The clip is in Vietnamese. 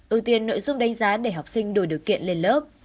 ưu tiên nội dung đánh giá để học sinh đổi điều kiện lên lớp